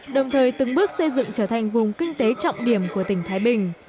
đồng thời từng bước xây dựng trở thành vùng kinh tế trọng điểm của tỉnh thái bình